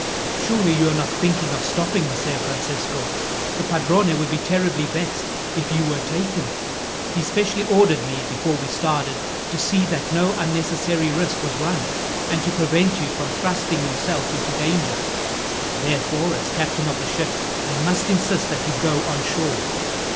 "Surely you are not thinking of stopping, Messer Francisco. The padrone would be terribly vexed if you were taken. He specially ordered me, before we started, to see that no unnecessary risk was run, and to prevent you from thrusting yourself into danger. Therefore, as captain of the ship, I must insist that you go on shore."